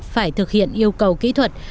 phải thực hiện yêu cầu kỹ thuật